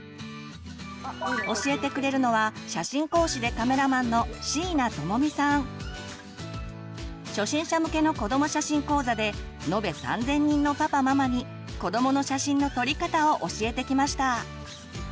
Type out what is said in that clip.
教えてくれるのは初心者向けの子ども写真講座で延べ３，０００人のパパママに子どもの写真の撮り方を教えてきました。